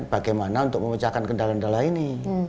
bagaimana untuk memecahkan kendala kendala ini